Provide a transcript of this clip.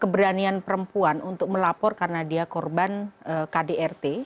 keberanian perempuan untuk melapor karena dia korban kdrt